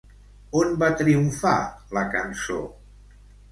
On va triomfar, la cançó?